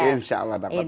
insya allah dapet